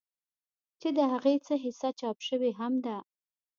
چې د هغې څۀ حصه چاپ شوې هم ده